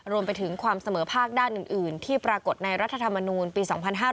รวมไปถึงความเสมอภาคด้านอื่นที่ปรากฏในรัฐธรรมนูลปี๒๕๕๙